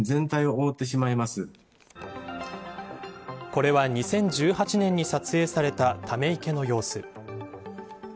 これは２０１８年に撮影された、ため池の様子。